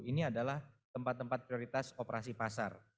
ini adalah tempat tempat prioritas operasi pasar